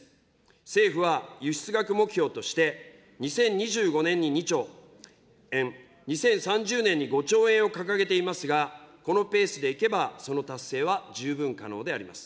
政府は輸出額目標として、２０２５年に２兆円、２０３０年に５兆円を掲げていますが、このペースでいけばその達成は十分可能であります。